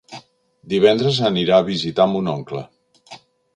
Divendres anirà a visitar mon oncle.